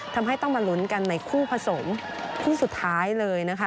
ทำให้ต้องมาลุ้นกันในคู่ผสมคู่สุดท้ายเลยนะคะ